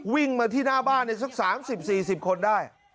วิ่งมาที่หน้าบ้านเนี่ยสักสามสิบสี่สิบคนได้